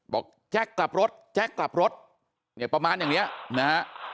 บอกแจ็คกลับรถแจ็คกลับรถประมาณอย่างนี้นะฮะ